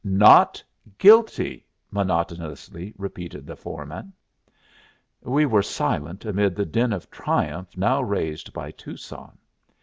"Not guilty," monotonously repeated the foreman. We were silent amid the din of triumph now raised by Tucson.